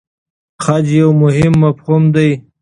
خج یو مهم مفهوم دی.